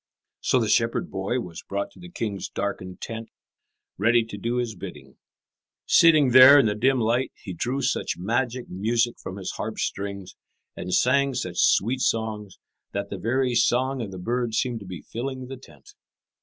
So the shepherd boy was brought to the king's darkened tent, ready to do his bidding. Sitting there in the dim light, he drew such magic music from his harp's strings, and sang such sweet songs, that the very song of the birds seemed to be filling the tent.